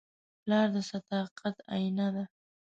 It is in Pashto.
پلار د صداقت آیینه ده.